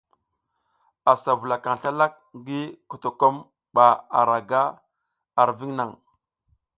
A sa vula kan slalak ngii kotokom ba ara ga ar viŋ naŋ.